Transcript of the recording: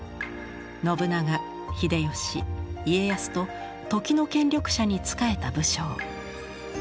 信長秀吉家康と時の権力者に仕えた武将。